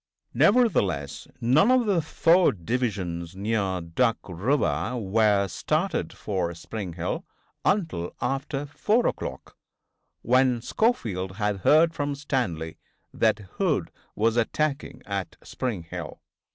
Nevertheless none of the four divisions near Duck river were started for Spring Hill until after 4 o'clock, when Schofield had heard from Stanley that Hood was attacking at Spring Hill.